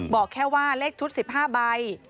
บอกแค่ว่าเลขชุด๑๕ใบ